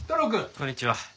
こんにちは。